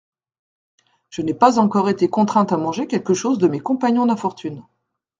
Je n'ai pas encore été contrainte à manger quelque chose de mes compagnons d'infortune.